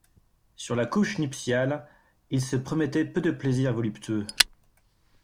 Sur la couche nuptiale, il se promettait peu de plaisir voluptueux.